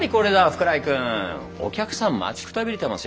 福来君お客さん待ちくたびれてますよ。